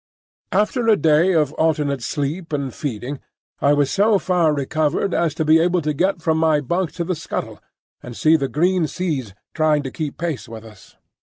After a day of alternate sleep and feeding I was so far recovered as to be able to get from my bunk to the scuttle, and see the green seas trying to keep pace with us.